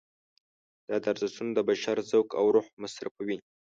دا ارزښتونه د بشر ذوق او روح مصرفوي.